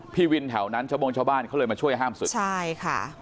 พี่วินแถวนั้นชาวบงชาวบ้านเขาเลยมาช่วยห้ามศึกใช่ค่ะ